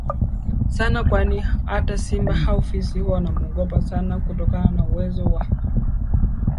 sana kwani hata simba au fisi huwa wana muogopa sana kutokana na uwezo wa